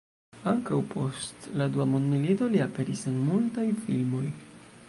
Ankaŭ post la Dua mondmilito li aperis en multaj filmoj.